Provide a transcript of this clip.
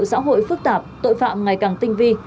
xã hội phức tạp tội phạm ngày càng tinh vi